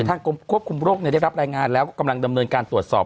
ทางกรมควบคุมโรคได้รับรายงานแล้วก็กำลังดำเนินการตรวจสอบ